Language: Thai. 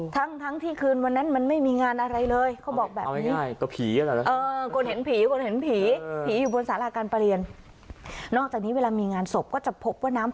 ทั้งที่คืนวันนั้นมันไม่มีงานอะไรเลยเขาบอกแบบนี้